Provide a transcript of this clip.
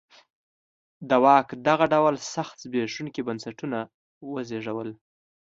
د واک دغه ډول سخت زبېښونکي بنسټونه وزېږول.